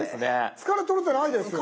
疲れとれてないですよ。